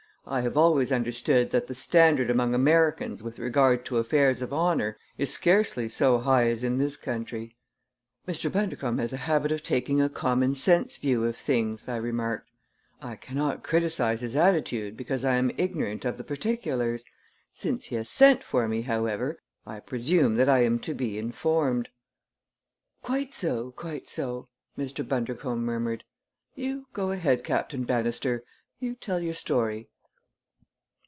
I have always understood that the standard among Americans with regard to affairs of honor is scarcely so high as in this country." "Mr. Bundercombe has a habit of taking a common sense view of things," I remarked. "I cannot criticize his attitude, because I am ignorant of the particulars. Since he has sent for me, however, I presume that I am to be informed." "Quite so quite so!" Mr. Bundercombe murmured. "You go ahead, Captain Bannister. You tell your story."